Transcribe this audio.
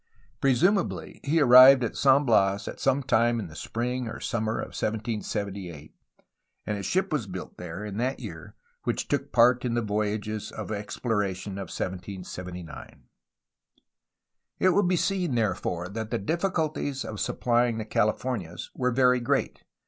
Presumably he arrived at San Bias at some time in the spring or summer of 1778, and a ship was built there in that year which took part in the voyages of ex ploration of 1779. It will be seen, therefore, that the difficulties of suppl3dng the Califomias were very great.